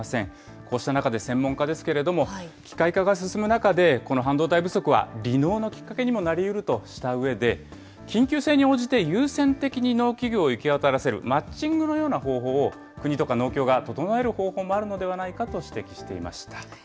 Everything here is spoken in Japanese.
こうした中で、専門家ですけれども、機械化が進む中で、この半導体不足は離農のきっかけにもなりうるとしたうえで、緊急性に応じて優先的に農機具を行き渡らせるマッチングのような方法を、国とか農協が整える方法もあるのではないかと指摘していました。